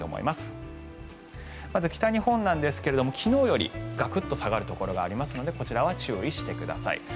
まず北日本なんですが昨日よりガクッと下がるところがありますのでこちらは注意してください。